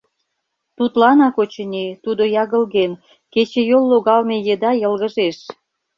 Тудланак, очыни, тудо ягылген, кечыйол логалме еда йылгыжеш.